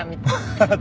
ハハハッ！